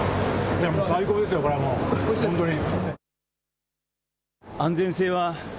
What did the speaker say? もう最高ですよ、これはもう本当に。